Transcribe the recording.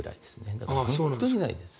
だから、本当にないです。